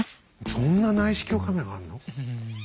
そんな内視鏡カメラがあんの？